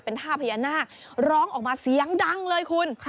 ท่าพญานาคร้องออกมาเสียงดังเลยคุณ